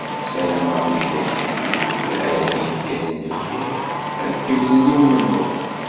Ssarameɣ wigad ara d-yekkren deffir, ad kemmlen i umennuɣ.